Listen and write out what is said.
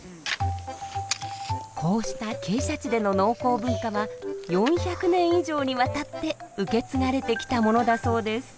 こうした傾斜地での農耕文化は４００年以上にわたって受け継がれてきたものだそうです。